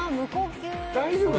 大丈夫？